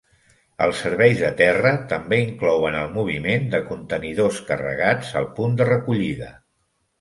Els serveis de terra també inclouen el moviment de contenidors carregats al punt de recollida.